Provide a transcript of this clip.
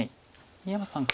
井山さん